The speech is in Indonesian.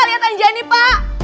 lihat anjani pak